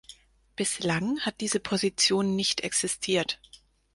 Bislang hat diese Position nicht existiert.